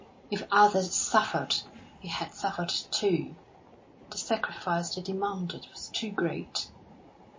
If others suffered, he had suffered too. The sacrifice they demanded was too great....